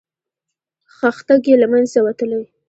خښتګ یې له منځه وتلی.